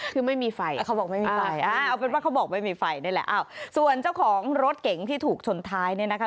คือไม่มีไฟเขาบอกไม่มีไฟเอาเป็นว่าเขาบอกไม่มีไฟนี่แหละอ้าวส่วนเจ้าของรถเก๋งที่ถูกชนท้ายเนี่ยนะคะ